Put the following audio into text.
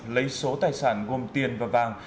lấy số tài sản gồm tiền và vàng